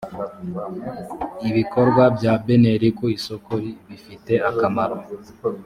ibikorwa bya beneri ku isoko bifite akamaro .